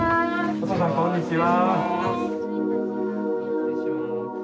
おとうさんこんにちは。